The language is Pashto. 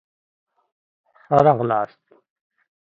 ښه راغلاست